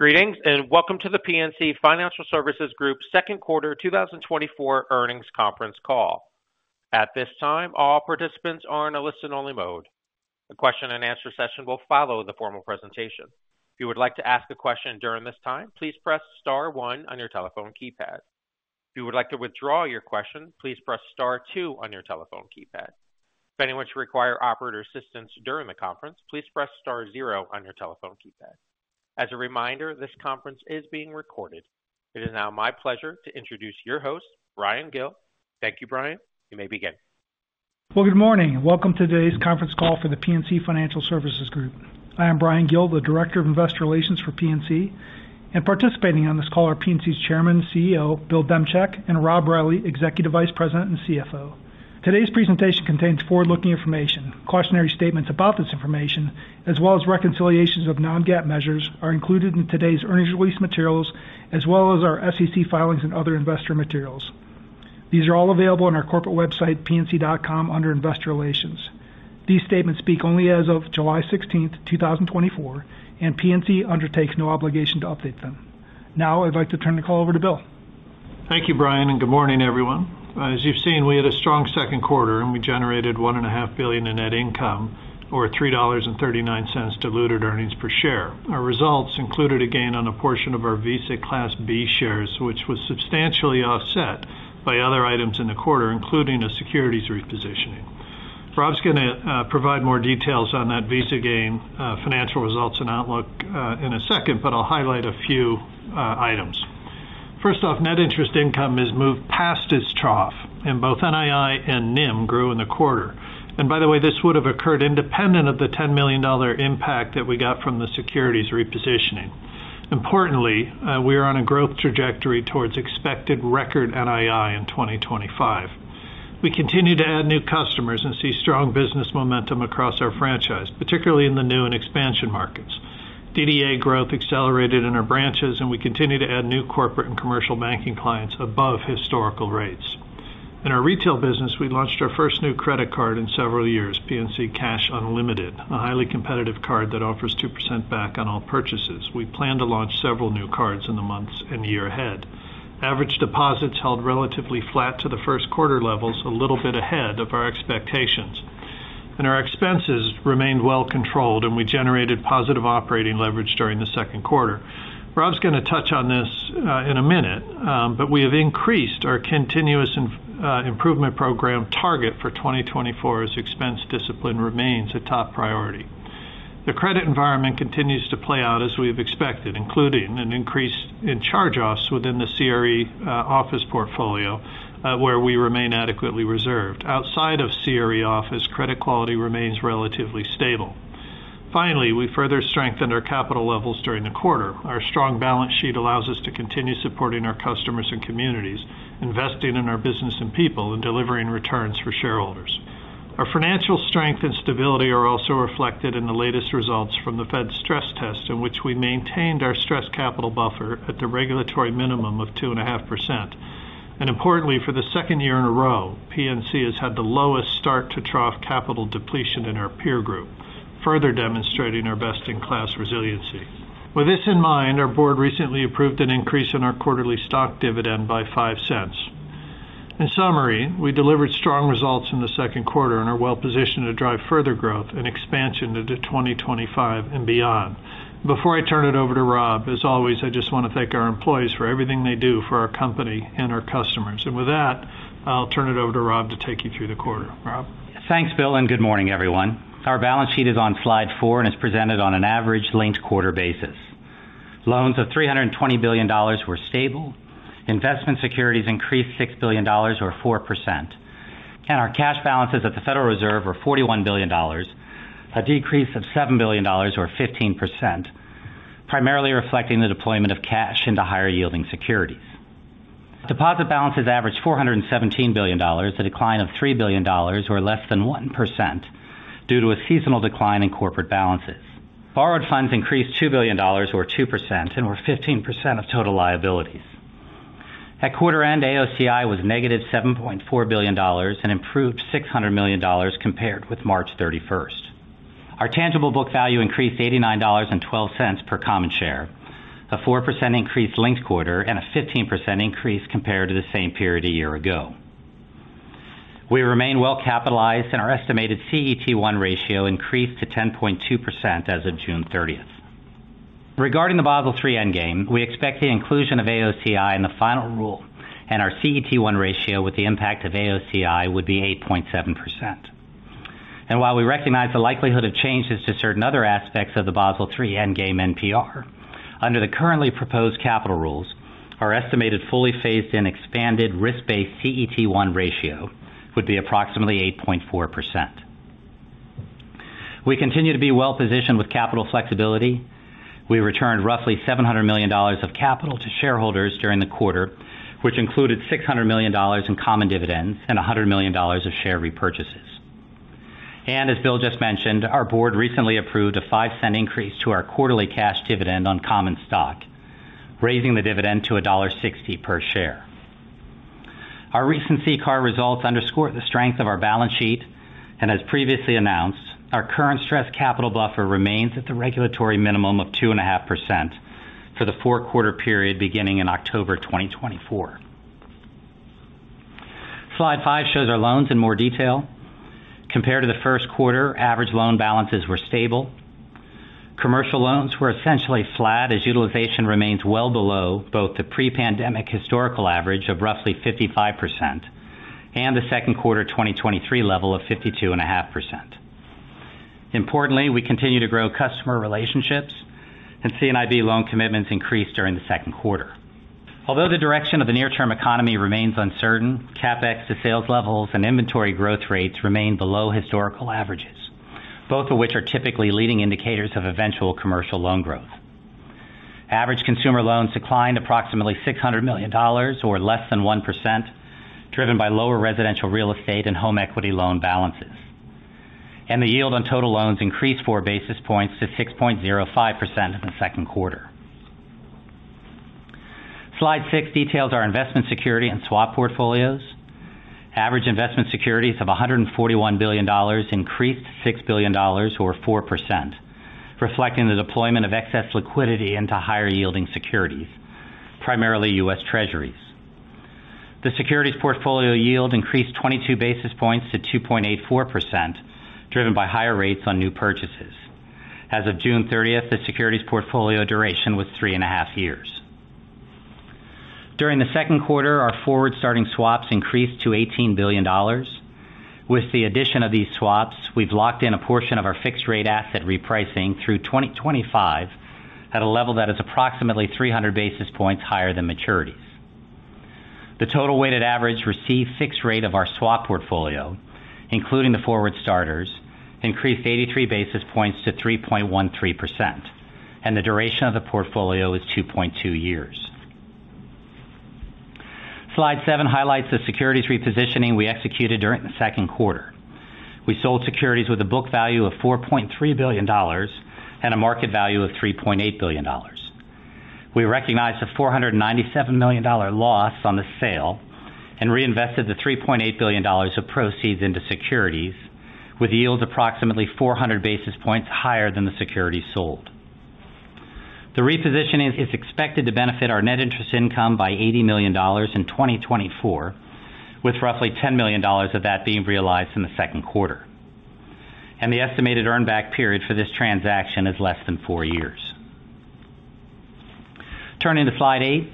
Greetings, and welcome to the PNC Financial Services Group second quarter 2024 earnings conference call. At this time, all participants are in a listen-only mode. A question and answer session will follow the formal presentation. If you would like to ask a question during this time, please press star one on your telephone keypad. If you would like to withdraw your question, please press star two on your telephone keypad. If anyone should require operator assistance during the conference, please press star zero on your telephone keypad. As a reminder, this conference is being recorded. It is now my pleasure to introduce your host, Bryan Gill. Thank you, Bryan. You may begin. Well, good morning, and welcome to today's conference call for the PNC Financial Services Group. I am Bryan Gill, the Director of Investor Relations for PNC, and participating on this call are PNC's Chairman and CEO, Bill Demchak, and Rob Reilly, Executive Vice President and CFO. Today's presentation contains forward-looking information. Cautionary statements about this information, as well as reconciliations of non-GAAP measures, are included in today's earnings release materials, as well as our SEC filings and other investor materials. These are all available on our corporate website, pnc.com, under Investor Relations. These statements speak only as of July sixteenth, two thousand and twenty-four, and PNC undertakes no obligation to update them. Now, I'd like to turn the call over to Bill. Thank you, Bryan, and good morning, everyone. As you've seen, we had a strong second quarter, and we generated $1.5 billion in net income or $3.39 diluted earnings per share. Our results included a gain on a portion of our Visa Class B shares, which was substantially offset by other items in the quarter, including a securities repositioning. Rob's going to provide more details on that Visa gain, financial results and outlook, in a second, but I'll highlight a few items. First off, net interest income has moved past its trough, and both NII and NIM grew in the quarter. By the way, this would have occurred independent of the $10 million impact that we got from the securities repositioning. Importantly, we are on a growth trajectory towards expected record NII in 2025. We continue to add new customers and see strong business momentum across our franchise, particularly in the new and expansion markets. DDA growth accelerated in our branches, and we continue to add new corporate and commercial banking clients above historical rates. In our retail business, we launched our first new credit card in several years, PNC Cash Unlimited, a highly competitive card that offers 2% back on all purchases. We plan to launch several new cards in the months and year ahead. Average deposits held relatively flat to the first quarter levels, a little bit ahead of our expectations. And our expenses remained well controlled, and we generated positive operating leverage during the second quarter. Rob's going to touch on this, in a minute, but we have increased our Continuous Improvement Program target for 2024 as expense discipline remains a top priority. The credit environment continues to play out as we've expected, including an increase in charge-offs within the CRE office portfolio, where we remain adequately reserved. Outside of CRE office, credit quality remains relatively stable. Finally, we further strengthened our capital levels during the quarter. Our strong balance sheet allows us to continue supporting our customers and communities, investing in our business and people, and delivering returns for shareholders. Our financial strength and stability are also reflected in the latest results from the Fed's stress test, in which we maintained our stress capital buffer at the regulatory minimum of 2.5%. Importantly, for the second year in a row, PNC has had the lowest start to trough capital depletion in our peer group, further demonstrating our best-in-class resiliency. With this in mind, our board recently approved an increase in our quarterly stock dividend by $0.05. In summary, we delivered strong results in the second quarter and are well positioned to drive further growth and expansion into 2025 and beyond. Before I turn it over to Rob, as always, I just want to thank our employees for everything they do for our company and our customers. And with that, I'll turn it over to Rob to take you through the quarter. Rob? Thanks, Bill, and good morning, everyone. Our balance sheet is on slide 4 and is presented on an average linked quarter basis. Loans of $320 billion were stable, investment securities increased $6 billion or 4%, and our cash balances at the Federal Reserve were $41 billion, a decrease of $7 billion or 15%, primarily reflecting the deployment of cash into higher-yielding securities. Deposit balances averaged $417 billion, a decline of $3 billion or less than 1% due to a seasonal decline in corporate balances. Borrowed funds increased $2 billion or 2% and were 15% of total liabilities. At quarter end, AOCI was negative $7.4 billion and improved $600 million compared with March 31. Our tangible book value increased $89.12 per common share, a 4% increase linked quarter and a 15% increase compared to the same period a year ago. We remain well capitalized, and our estimated CET1 ratio increased to 10.2% as of June thirtieth. Regarding the Basel III Endgame, we expect the inclusion of AOCI in the final rule and our CET1 ratio with the impact of AOCI would be 8.7%. And while we recognize the likelihood of changes to certain other aspects of the Basel III Endgame NPR, under the currently proposed capital rules, our estimated fully phased-in expanded risk-based CET1 ratio would be approximately 8.4%. We continue to be well-positioned with capital flexibility. We returned roughly $700 million of capital to shareholders during the quarter, which included $600 million in common dividends and $100 million of share repurchases. As Bill just mentioned, our board recently approved a $0.05 increase to our quarterly cash dividend on common stock, raising the dividend to $1.60 per share. Our recent CCAR results underscore the strength of our balance sheet, and as previously announced, our current stress capital buffer remains at the regulatory minimum of 2.5% for the four-quarter period beginning in October 2024. Slide 5 shows our loans in more detail. Compared to the first quarter, average loan balances were stable. Commercial loans were essentially flat, as utilization remains well below both the pre-pandemic historical average of roughly 55% and the second quarter 2023 level of 52.5%. Importantly, we continue to grow customer relationships, and C&IB loan commitments increased during the second quarter. Although the direction of the near-term economy remains uncertain, CapEx to sales levels and inventory growth rates remain below historical averages, both of which are typically leading indicators of eventual commercial loan growth. Average consumer loans declined approximately $600 million, or less than 1%, driven by lower residential real estate and home equity loan balances. The yield on total loans increased four basis points to 6.05% in the second quarter. Slide 6 details our investment security and swap portfolios. Average investment securities of $141 billion increased $6 billion, or 4%, reflecting the deployment of excess liquidity into higher-yielding securities, primarily U.S. Treasuries. The securities portfolio yield increased 22 basis points to 2.84%, driven by higher rates on new purchases. As of June thirtieth, the securities portfolio duration was 3.5 years. During the second quarter, our forward-starting swaps increased to $18 billion. With the addition of these swaps, we've locked in a portion of our fixed rate asset repricing through 2025 at a level that is approximately 300 basis points higher than maturities. The total weighted average received fixed rate of our swap portfolio, including the forward starters, increased 83 basis points to 3.13%, and the duration of the portfolio is 2.2 years. Slide 7 highlights the securities repositioning we executed during the second quarter. We sold securities with a book value of $4.3 billion and a market value of $3.8 billion. We recognized a $497 million loss on the sale and reinvested the $3.8 billion of proceeds into securities, with yields approximately 400 basis points higher than the securities sold. The repositioning is expected to benefit our net interest income by $80 million in 2024, with roughly $10 million of that being realized in the second quarter. The estimated earn back period for this transaction is less than 4 years. Turning to slide 8,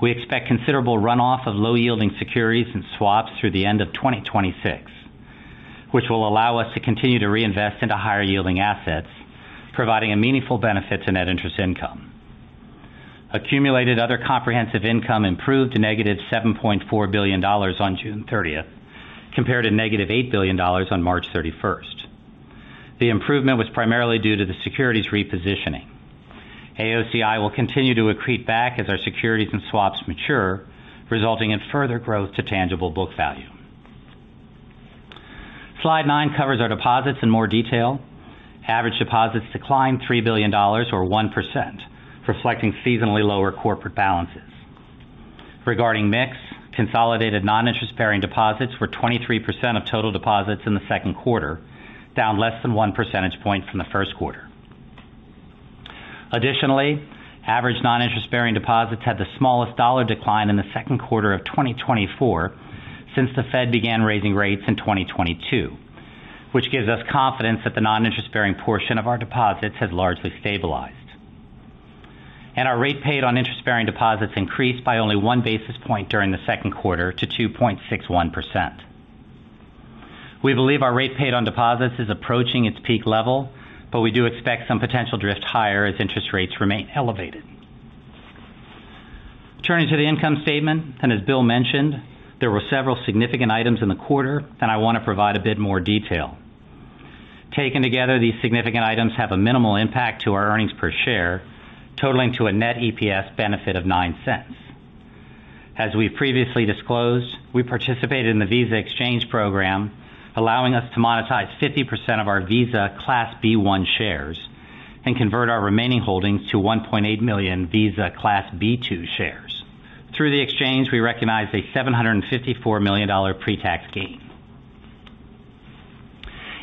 we expect considerable runoff of low-yielding securities and swaps through the end of 2026, which will allow us to continue to reinvest into higher-yielding assets, providing a meaningful benefit to net interest income. Accumulated Other Comprehensive Income improved to negative $7.4 billion on June thirtieth, compared to negative $8 billion on March thirty-first. The improvement was primarily due to the securities repositioning. AOCI will continue to accrete back as our securities and swaps mature, resulting in further growth to tangible book value. Slide 9 covers our deposits in more detail. Average deposits declined $3 billion, or 1%, reflecting seasonally lower corporate balances. Regarding mix, consolidated non-interest bearing deposits were 23% of total deposits in the second quarter, down less than 1 percentage point from the first quarter. Additionally, average non-interest bearing deposits had the smallest dollar decline in the second quarter of 2024 since the Fed began raising rates in 2022, which gives us confidence that the non-interest bearing portion of our deposits has largely stabilized. And our rate paid on interest bearing deposits increased by only 1 basis point during the second quarter to 2.61%. We believe our rate paid on deposits is approaching its peak level, but we do expect some potential drift higher as interest rates remain elevated. Turning to the income statement, and as Bill mentioned, there were several significant items in the quarter, and I want to provide a bit more detail. Taken together, these significant items have a minimal impact to our earnings per share, totaling to a net EPS benefit of $0.09. As we previously disclosed, we participated in the Visa exchange program, allowing us to monetize 50% of our Visa Class B1 shares and convert our remaining holdings to 1.8 million Visa Class B2 shares. Through the exchange, we recognized a $754 million pre-tax gain.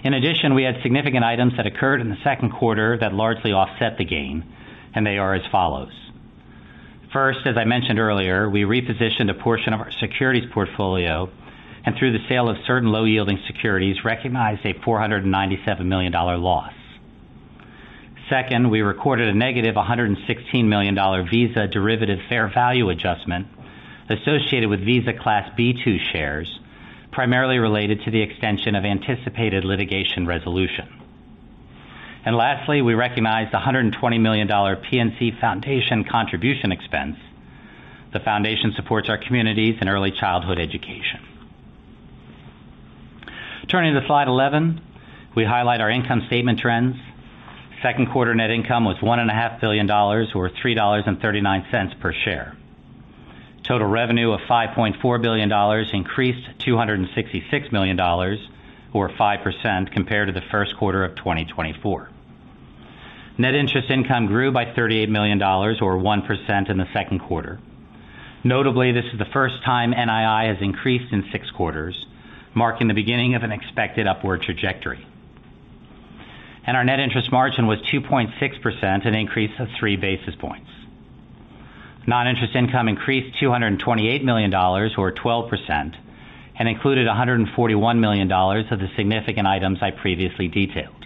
In addition, we had significant items that occurred in the second quarter that largely offset the gain, and they are as follows: First, as I mentioned earlier, we repositioned a portion of our securities portfolio, and through the sale of certain low-yielding securities, recognized a $497 million loss. Second, we recorded a negative $116 million Visa derivative fair value adjustment associated with Visa Class B shares, primarily related to the extension of anticipated litigation resolution. And lastly, we recognized a $120 million PNC Foundation contribution expense. The foundation supports our communities and early childhood education. Turning to slide 11, we highlight our income statement trends. Second quarter net income was $1.5 billion, or $3.39 per share. Total revenue of $5.4 billion increased $266 million, or 5%, compared to the first quarter of 2024. Net interest income grew by $38 million or 1% in the second quarter. Notably, this is the first time NII has increased in 6 quarters, marking the beginning of an expected upward trajectory. And our net interest margin was 2.6%, an increase of 3 basis points. Non-interest income increased $228 million or 12%, and included $141 million of the significant items I previously detailed.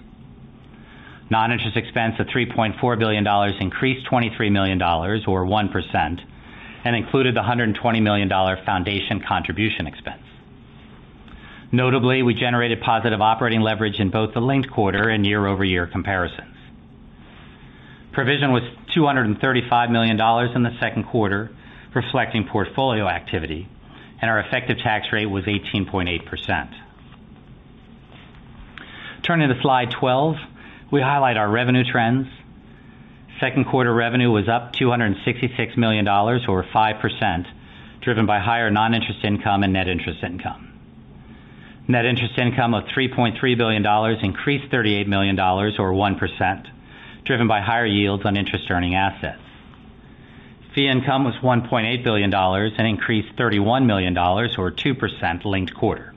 Non-interest expense of $3.4 billion increased $23 million or 1%, and included the $120 million foundation contribution expense. Notably, we generated positive operating leverage in both the linked quarter and year-over-year comparisons. Provision was $235 million in the second quarter, reflecting portfolio activity, and our effective tax rate was 18.8%. Turning to Slide 12, we highlight our revenue trends. Second quarter revenue was up $266 million or 5%, driven by higher non-interest income and net interest income. Net interest income of $3.3 billion increased $38 million or 1%, driven by higher yields on interest earning assets. Fee income was $1.8 billion and increased $31 million or 2% linked quarter.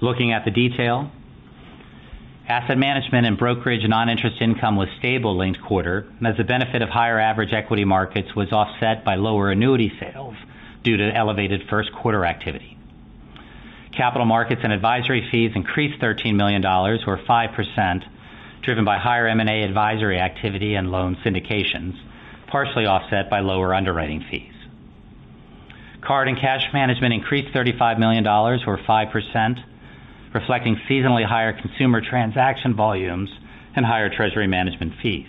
Looking at the detail, asset management and brokerage, non-interest income was stable linked quarter, and as the benefit of higher average equity markets was offset by lower annuity sales due to elevated first quarter activity. Capital markets and advisory fees increased $13 million or 5%, driven by higher M&A advisory activity and loan syndications, partially offset by lower underwriting fees. Card and cash management increased $35 million or 5%, reflecting seasonally higher consumer transaction volumes and higher treasury management fees.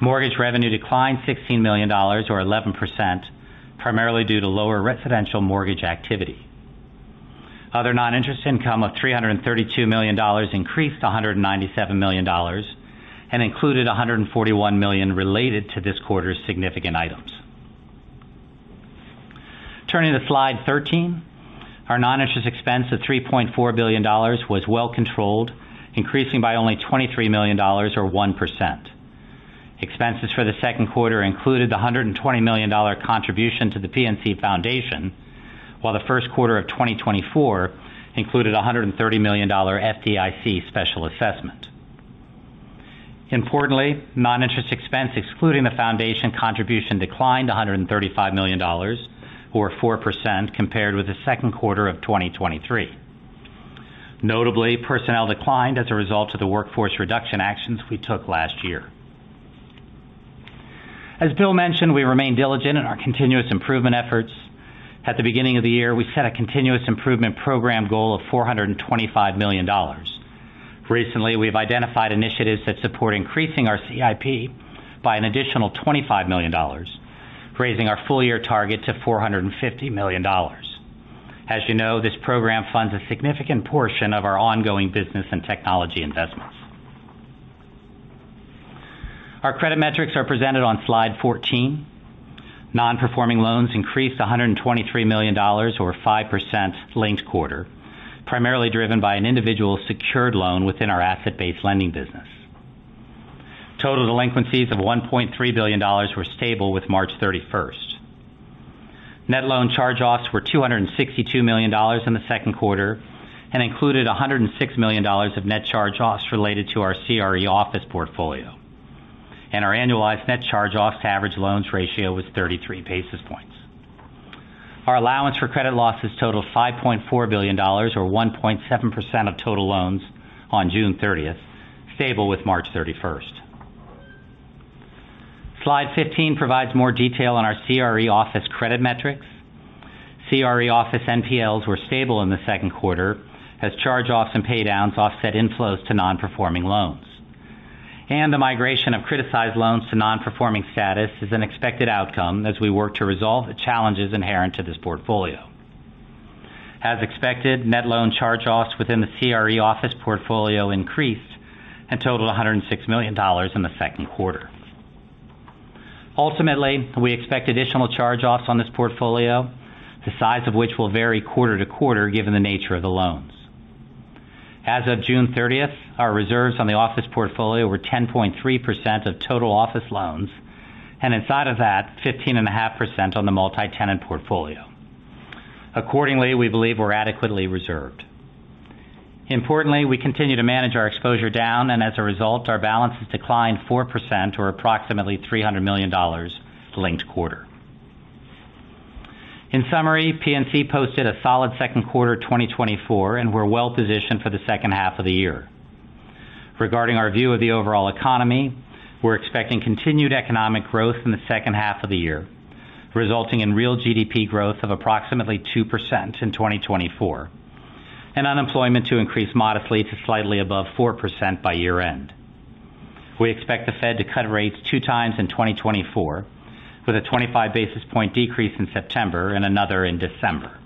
Mortgage revenue declined $16 million or 11%, primarily due to lower residential mortgage activity. Other non-interest income of $332 million increased to $197 million, and included $141 million related to this quarter's significant items. Turning to Slide 13. Our non-interest expense of $3.4 billion was well controlled, increasing by only $23 million or 1%. Expenses for the second quarter included the $120 million contribution to the PNC Foundation, while the first quarter of 2024 included a $130 million FDIC special assessment. Importantly, non-interest expense, excluding the foundation contribution, declined $135 million or 4% compared with the second quarter of 2023. Notably, personnel declined as a result of the workforce reduction actions we took last year. As Bill mentioned, we remain diligent in our continuous improvement efforts. At the beginning of the year, we set a continuous improvement program goal of $425 million. Recently, we've identified initiatives that support increasing our CIP by an additional $25 million, raising our full year target to $450 million. As you know, this program funds a significant portion of our ongoing business and technology investments. Our credit metrics are presented on Slide 14. Non-performing loans increased $123 million or 5% linked quarter, primarily driven by an individual secured loan within our asset-based lending business. Total delinquencies of $1.3 billion were stable with March 31. Net loan charge-offs were $262 million in the second quarter and included $106 million of net charge-offs related to our CRE office portfolio. Our annualized net charge-offs to average loans ratio was 33 basis points. Our allowance for credit losses totaled $5.4 billion or 1.7% of total loans on June 30, stable with March 31. Slide 15 provides more detail on our CRE office credit metrics. CRE office NPLs were stable in the second quarter, as charge-offs and pay downs offset inflows to non-performing loans. The migration of criticized loans to non-performing status is an expected outcome as we work to resolve the challenges inherent to this portfolio. As expected, net loan charge-offs within the CRE office portfolio increased and totaled $106 million in the second quarter. Ultimately, we expect additional charge-offs on this portfolio, the size of which will vary quarter to quarter, given the nature of the loans. As of June 30th, our reserves on the office portfolio were 10.3% of total office loans, and inside of that, 15.5% on the multi-tenant portfolio. Accordingly, we believe we're adequately reserved. Importantly, we continue to manage our exposure down, and as a result, our balances declined 4% or approximately $300 million linked-quarter. In summary, PNC posted a solid second quarter 2024, and we're well positioned for the second half of the year. Regarding our view of the overall economy, we're expecting continued economic growth in the second half of the year, resulting in real GDP growth of approximately 2% in 2024, and unemployment to increase modestly to slightly above 4% by year-end. We expect the Fed to cut rates two times in 2024, with a 25 basis point decrease in September and another in December.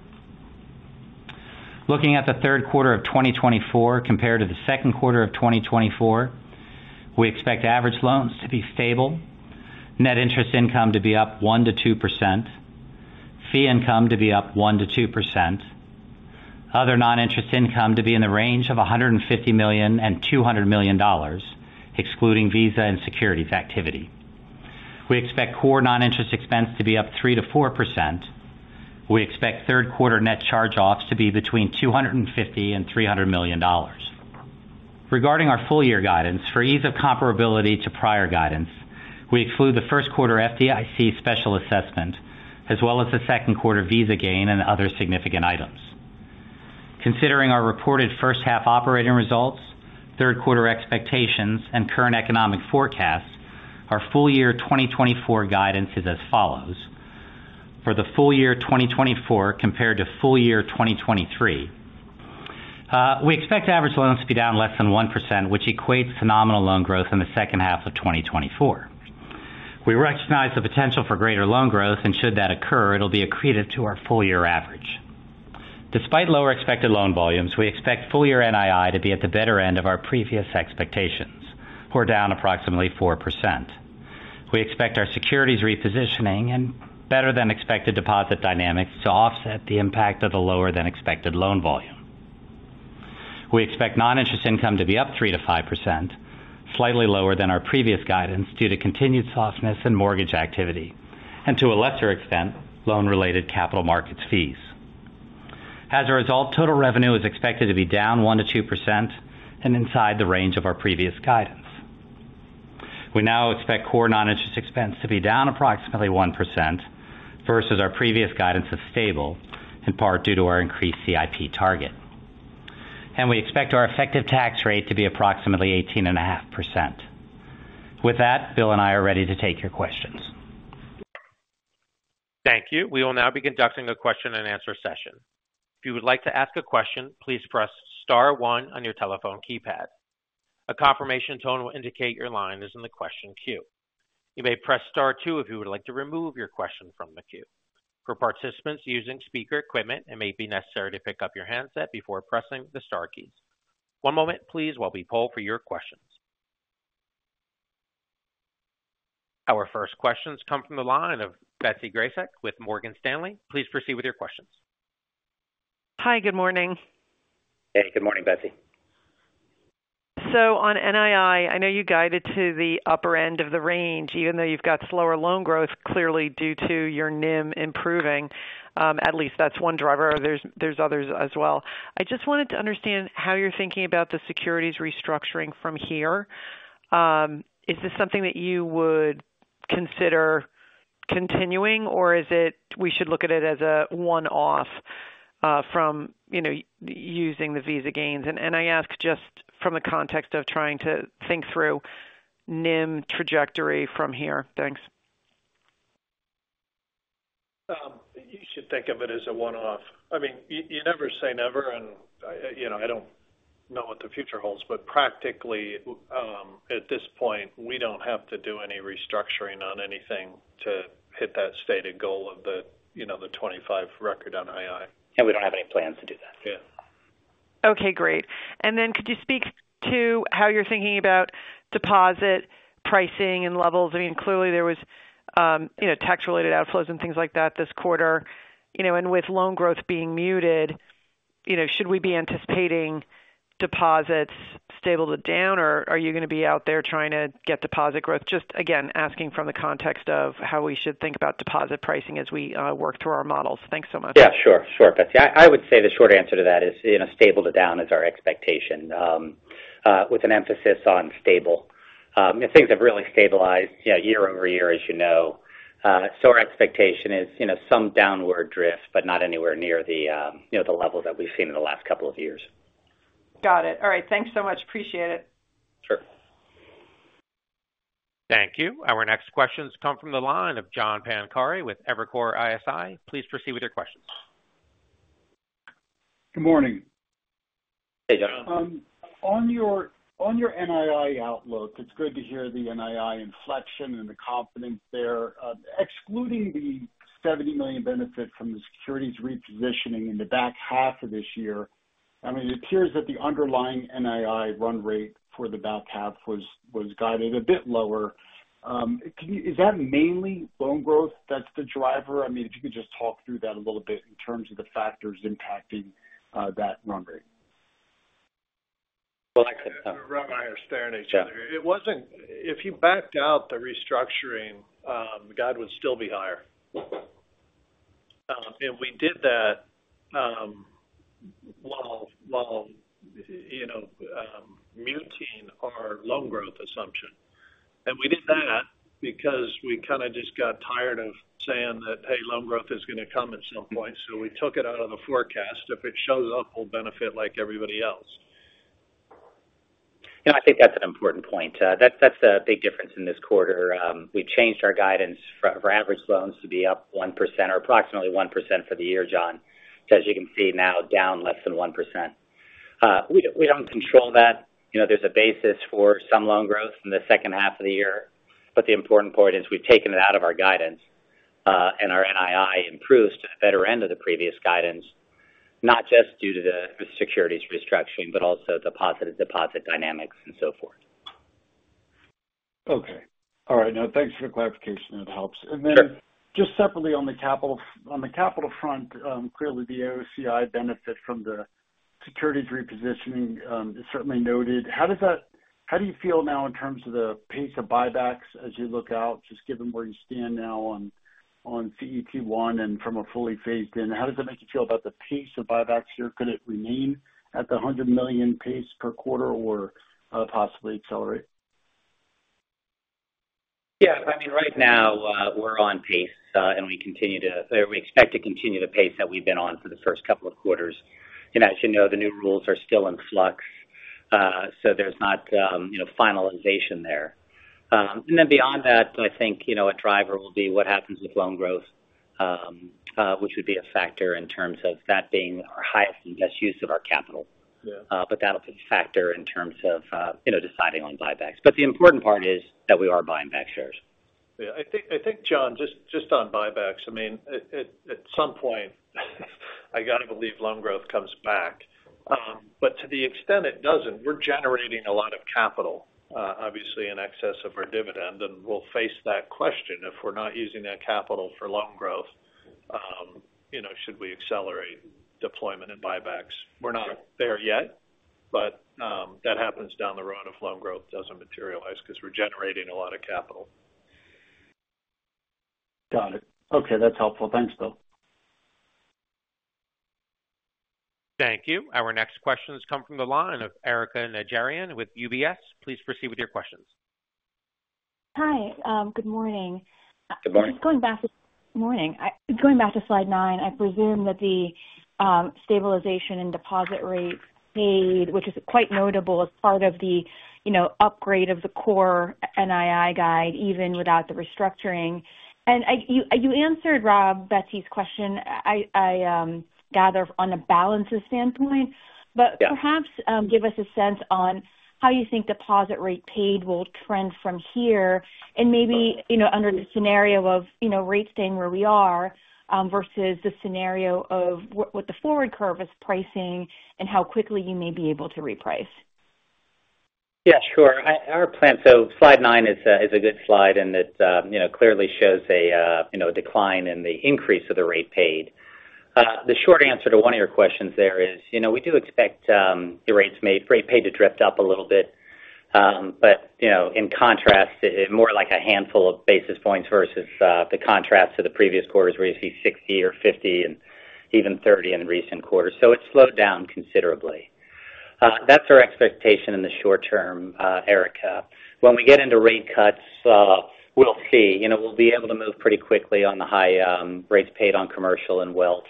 Looking at the third quarter of 2024 compared to the second quarter of 2024, we expect average loans to be stable, net interest income to be up 1%-2%, fee income to be up 1%-2%.... other non-interest income to be in the range of $150 million-$200 million, excluding Visa and securities activity. We expect core non-interest expense to be up 3%-4%. We expect third quarter net charge-offs to be between $250 million and $300 million. Regarding our full year guidance, for ease of comparability to prior guidance, we exclude the first quarter FDIC special assessment, as well as the second quarter Visa gain and other significant items. Considering our reported first half operating results, third quarter expectations, and current economic forecasts, our full year 2024 guidance is as follows: For the full year 2024 compared to full year 2023, we expect average loans to be down less than 1%, which equates phenomenal loan growth in the second half of 2024. We recognize the potential for greater loan growth, and should that occur, it'll be accreted to our full year average. Despite lower expected loan volumes, we expect full year NII to be at the better end of our previous expectations, or down approximately 4%. We expect our securities repositioning and better-than-expected deposit dynamics to offset the impact of the lower-than-expected loan volume. We expect non-interest income to be up 3%-5%, slightly lower than our previous guidance due to continued softness in mortgage activity, and to a lesser extent, loan-related capital markets fees. As a result, total revenue is expected to be down 1%-2% and inside the range of our previous guidance. We now expect core non-interest expense to be down approximately 1% versus our previous guidance of stable, in part due to our increased CIP target. We expect our effective tax rate to be approximately 18.5%. With that, Bill and I are ready to take your questions. Thank you. We will now be conducting a question-and-answer session. If you would like to ask a question, please press star one on your telephone keypad. A confirmation tone will indicate your line is in the question queue. You may press star two if you would like to remove your question from the queue. For participants using speaker equipment, it may be necessary to pick up your handset before pressing the star keys. One moment, please, while we poll for your questions. Our first questions come from the line of Betsy Graseck with Morgan Stanley. Please proceed with your questions. Hi, good morning. Hey, good morning, Betsy. So on NII, I know you guided to the upper end of the range, even though you've got slower loan growth, clearly due to your NIM improving. At least that's one driver. There's others as well. I just wanted to understand how you're thinking about the securities restructuring from here. Is this something that you would consider continuing, or is it we should look at it as a one-off, from, you know, using the Visa gains? And I ask just from the context of trying to think through NIM trajectory from here. Thanks. You should think of it as a one-off. I mean, you, you never say never, and, you know, I don't know what the future holds, but practically, at this point, we don't have to do any restructuring on anything to hit that stated goal of the, you know, the 25 record on NII. We don't have any plans to do that. Yeah. Okay, great. And then could you speak to how you're thinking about deposit pricing and levels? I mean, clearly there was, you know, tax-related outflows and things like that this quarter. You know, and with loan growth being muted, you know, should we be anticipating deposits stable to down, or are you going to be out there trying to get deposit growth? Just again, asking from the context of how we should think about deposit pricing as we work through our models. Thanks so much. Yeah, sure. Sure, Betsy. I would say the short answer to that is, you know, stable to down is our expectation, with an emphasis on stable. And things have really stabilized, yeah, year over year, as you know. So our expectation is, you know, some downward drift, but not anywhere near the, you know, the level that we've seen in the last couple of years. Got it. All right. Thanks so much. Appreciate it. Sure. Thank you. Our next questions come from the line of John Pancari with Evercore ISI. Please proceed with your questions. Good morning. Hey, John. On your NII outlook, it's good to hear the NII inflection and the confidence there. Excluding the $70 million benefit from the securities repositioning in the back half of this year, I mean, it appears that the underlying NII run rate for the back half was, was guided a bit lower. Can you—is that mainly loan growth, that's the driver? I mean, if you could just talk through that a little bit in terms of the factors impacting that run rate. Well, I could- Rob and I are staring at each other. Yeah. It wasn't... If you backed out the restructuring, the guide would still be higher. And we did that while you know muting our loan growth assumption. And we did that because we kind of just got tired of saying that, "Hey, loan growth is going to come at some point." So we took it out of the forecast. If it shows up, we'll benefit like everybody else. You know, I think that's an important point. That's a big difference in this quarter. We changed our guidance for average loans to be up 1% or approximately 1% for the year, John. So as you can see, now down less than 1%. We don't control that. You know, there's a basis for some loan growth in the second half of the year, but the important point is we've taken it out of our guidance, and our NII improves to the better end of the previous guidance, not just due to the securities restructuring, but also the deposit dynamics and so forth.... Okay. All right, now thanks for the clarification. That helps. Sure. Then just separately on the capital front, clearly, the AOCI benefit from the securities repositioning is certainly noted. How do you feel now in terms of the pace of buybacks as you look out, just given where you stand now on CET1 and from a fully phased in, how does that make you feel about the pace of buybacks here? Could it remain at the $100 million pace per quarter or possibly accelerate? Yeah, I mean, right now, we're on pace, and we continue to—or we expect to continue the pace that we've been on for the first couple of quarters. And as you know, the new rules are still in flux, so there's not, you know, finalization there. And then beyond that, I think, you know, a driver will be what happens with loan growth, which would be a factor in terms of that being our highest and best use of our capital. Yeah. But that'll be a factor in terms of, you know, deciding on buybacks. But the important part is that we are buying back shares. Yeah, I think, John, just on buybacks, I mean, at some point, I got to believe loan growth comes back. But to the extent it doesn't, we're generating a lot of capital, obviously in excess of our dividend, and we'll face that question. If we're not using that capital for loan growth, you know, should we accelerate deployment and buybacks? We're not there yet, but that happens down the road if loan growth doesn't materialize, because we're generating a lot of capital. Got it. Okay, that's helpful. Thanks, Bill. Thank you. Our next question has come from the line of Erika Najarian with UBS. Please proceed with your questions. Hi, good morning. Good morning. Just going back to slide nine, I presume that the stabilization and deposit rate paid, which is quite notable as part of the, you know, upgrade of the core NII guide, even without the restructuring. And you answered, Rob, Betsy's question, I gather on a balances standpoint. Yeah. Perhaps give us a sense on how you think deposit rate paid will trend from here, and maybe, you know, under the scenario of, you know, rates staying where we are, versus the scenario of what the forward curve is pricing and how quickly you may be able to reprice. Yeah, sure. Our plan—so slide 9 is a good slide, and it, you know, clearly shows a, you know, decline in the increase of the rate paid. The short answer to one of your questions there is, you know, we do expect, the rates made, rate paid to drift up a little bit. But, you know, in contrast, more like a handful of basis points versus, the contrast to the previous quarters, where you see 60 or 50 and even 30 in recent quarters. So it's slowed down considerably. That's our expectation in the short term, Erika. When we get into rate cuts, we'll see. You know, we'll be able to move pretty quickly on the high, rates paid on commercial and wealth.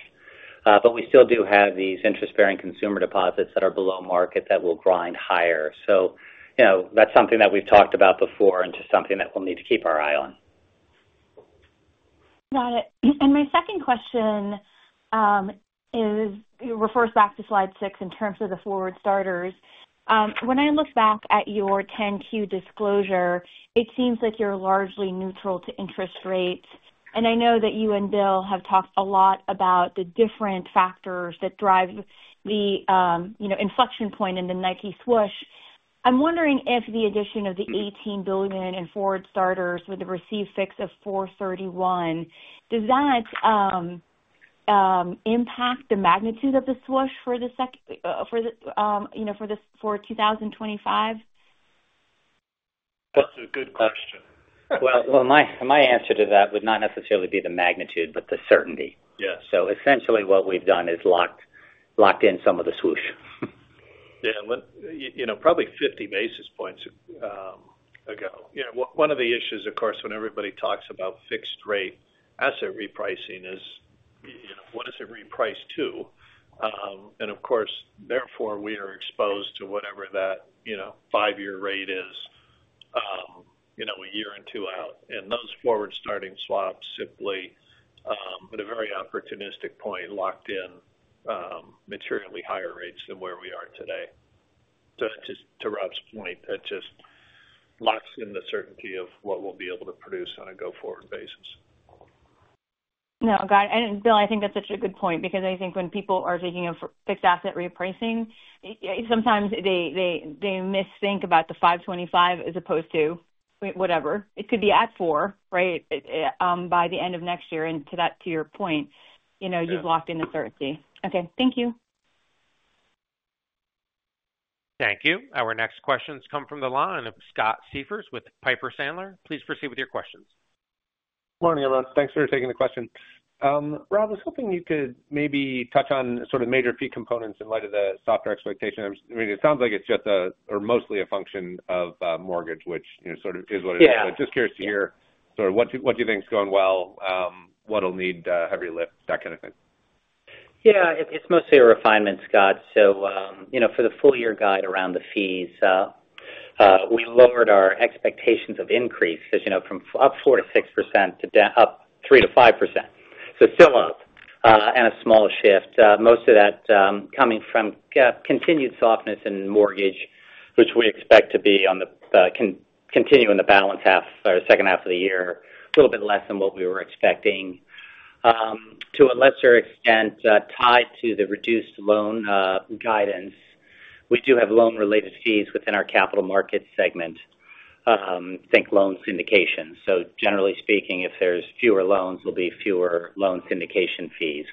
But we still do have these interest-bearing consumer deposits that are below market that will grind higher. So, you know, that's something that we've talked about before and just something that we'll need to keep our eye on. Got it. My second question refers back to slide 6 in terms of the forward starters. When I look back at your 10-Q disclosure, it seems like you're largely neutral to interest rates. I know that you and Bill have talked a lot about the different factors that drive the, you know, inflection point in the NII swoosh. I'm wondering if the addition of the $18 billion in forward starters with the received fixed of 4.31, does that impact the magnitude of the swoosh for the, you know, for 2025? That's a good question. Well, my answer to that would not necessarily be the magnitude, but the certainty. Yeah. So essentially, what we've done is locked in some of the swoosh. Yeah, well, you know, probably 50 basis points ago. You know, one of the issues, of course, when everybody talks about fixed rate asset repricing is, you know, what does it reprice to? And of course, therefore, we are exposed to whatever that, you know, five-year rate is, you know, a year and two out. And those forward-starting swaps simply, at a very opportunistic point, locked in, materially higher rates than where we are today. So just to Rob's point, that just locks in the certainty of what we'll be able to produce on a go-forward basis. No, got it. And Bill, I think that's such a good point because I think when people are thinking of fixed asset repricing, sometimes they misthink about the 5.25 as opposed to whatever. It could be at 4, right? By the end of next year, and to that, to your point, you know, you've locked in the certainty. Okay. Thank you. Thank you. Our next questions come from the line of Scott Siefers with Piper Sandler. Please proceed with your questions. Morning, everyone. Thanks for taking the question. Rob, I was hoping you could maybe touch on sort of major fee components in light of the softer expectations. I mean, it sounds like it's just a, or mostly a function of, mortgage, which, you know, sort of is what it is. Yeah. Just curious to hear sort of what you think is going well, what'll need a heavier lift, that kind of thing? Yeah, it's mostly a refinement, Scott. So, you know, for the full year guide around the fees, we lowered our expectations of increase, as you know, from up 4%-6% to up 3%-5%. So still up, and a smaller shift. Most of that coming from continued softness in mortgage, which we expect to continue in the latter half or second half of the year, a little bit less than what we were expecting. To a lesser extent, tied to the reduced loan guidance. We do have loan-related fees within our capital market segment, think loan syndication. So generally speaking, if there's fewer loans, there'll be fewer loan syndication fees.